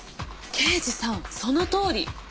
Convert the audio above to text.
刑事さんそのとおり。